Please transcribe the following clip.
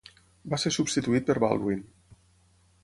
Va ser substituït per Baldwin.